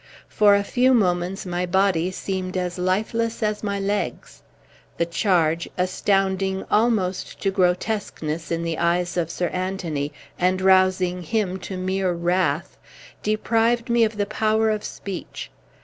For a few moments my body seemed as lifeless as my legs. The charge, astounding almost to grotesqueness in the eyes of Sir Anthony, and rousing him to mere wrath, deprived me of the power of speech.